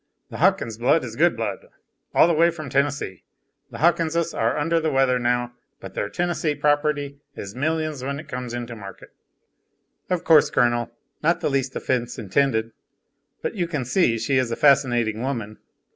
The Hawkins' blood is good blood, all the way from Tennessee. The Hawkinses are under the weather now, but their Tennessee property is millions when it comes into market." "Of course, Colonel. Not the least offense intended. But you can see she is a fascinating woman.